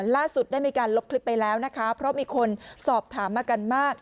ล่าสุดได้มีการลบคลิปไปแล้วนะคะเพราะมีคนสอบถามมากันมาก